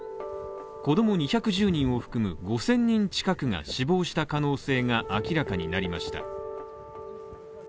子供２１０人を含む５０００人近くが死亡した可能性が明らかになりました。